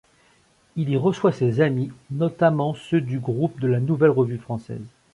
Il y reçoit ses amis, notamment ceux du groupe de la Nouvelle Revue Française.